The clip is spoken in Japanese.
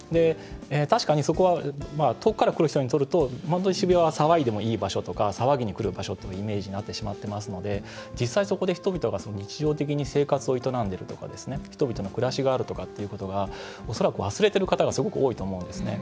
確かに、そこは遠くから来る人にとると本当に、渋谷は騒いでもいい場所とか騒ぎにくる場所というイメージになってしまってますので実際、そこで人々が日常的に生活を営んでいるとか人々の暮らしがあるということが恐らく、忘れている方がすごく多いと思うんですね。